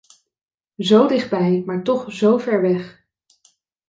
Zo dichtbij, maar toch zover weg.